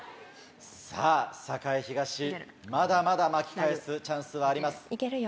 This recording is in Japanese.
さぁ栄東まだまだ巻き返すチャンスはあります。